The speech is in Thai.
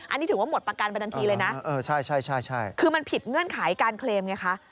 อันนี้ถือว่าหมดประกันไปทันทีเลยนะใช่คือมันผิดเงื่อนไขการเคลมไงคะ